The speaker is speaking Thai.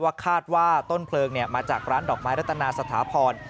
คาดว่าต้นเพลิงมาจากร้านดอกไม้รัตนาสถาพร